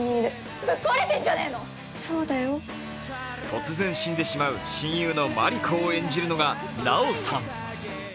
突然死んでしまう親友のマリコを演じるのが奈緒さん。